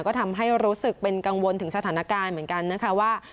ก็ทำให้รู้สึกเป็นกังวลถึงสถานการณ์เหมือนกันนะคะว่า